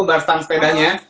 bar stang sepedanya